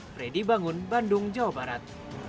freddy bangun bandung jawa barat